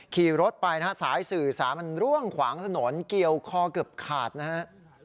ขี่รถไปนะฮะสายสื่อสารมันร่วงขวางถนนเกี่ยวคอเกือบขาดนะครับ